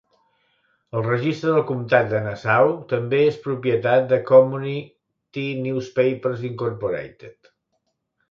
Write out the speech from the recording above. El registre del comtat de Nassau també és propietat de Community Newspapers Incorporated.